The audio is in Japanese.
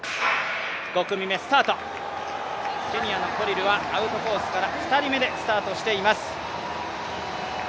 ケニアのコリルはアウトコースから２人目でスタートしています。